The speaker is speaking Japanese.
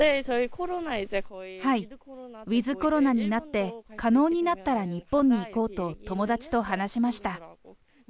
はい、ウィズコロナになって、可能になったら、日本に行こうと、友達と話しました。